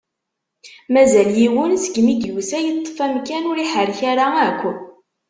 Mazal yiwen, seg mi i d-yusa yeṭṭef amkan ur iḥerrek ara akk.